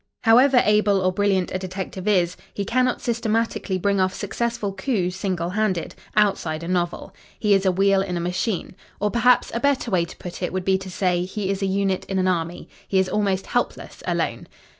However able or brilliant a detective is, he cannot systematically bring off successful coups single handed outside a novel. He is a wheel in a machine. Or perhaps, a better way to put it would be to say, he is a unit in an army. He is almost helpless alone.